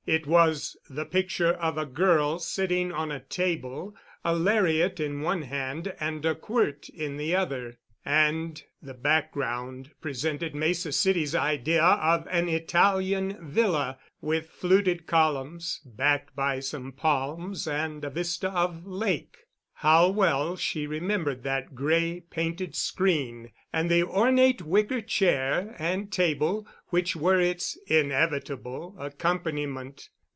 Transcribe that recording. It was the picture of a girl sitting on a table, a lariat in one hand and a quirt in the other, and the background presented Mesa City's idea of an Italian villa, with fluted columns, backed by some palms and a vista of lake. How well she remembered that gray painted screen and the ornate wicker chair and table which were its inevitable accompaniment.